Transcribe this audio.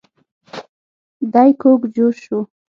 دی کوږ جوش شو.